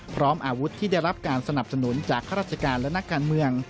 พร้อมอาวุธที่ได้รับการสนับสนุนจากข้าราชการและนักการเมือง